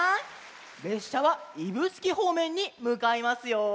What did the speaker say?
れっしゃは指宿ほうめんにむかいますよ。